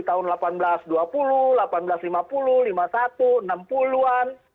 tahun delapan belas dua puluh delapan belas lima puluh lima puluh satu enam puluh an